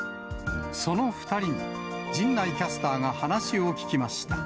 その２人に、陣内キャスターが話を聞きました。